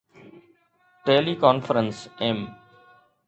tele conference M